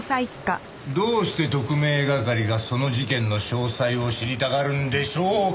どうして特命係がその事件の詳細を知りたがるんでしょうか？